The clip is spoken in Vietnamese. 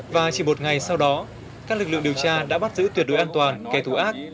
và chỉ một ngày sau đó các lực lượng điều tra đã bắt giữ tuyệt đối an toàn kẻ thù ác